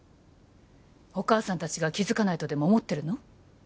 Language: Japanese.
お母さん達が気づかないとでも思ってるの？